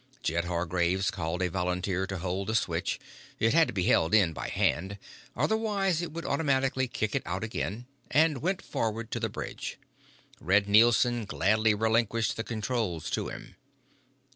Jed Hargraves called a volunteer to hold the switch it had to be held in by hand, otherwise it would automatically kick out again and went forward to the bridge. Red Nielson gladly relinquished the controls to him.